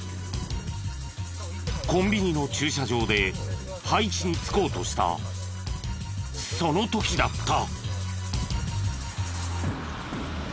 コンビニの駐車場で配置につこうとしたその時だった。